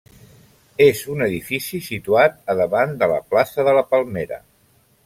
És un edifici situat a davant de la plaça de la Palmera.